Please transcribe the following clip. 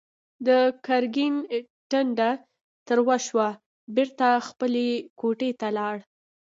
د ګرګين ټنډه تروه شوه، بېرته خپلې کوټې ته لاړ.